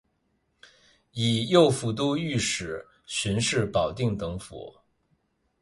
以右副都御史巡视保定等府。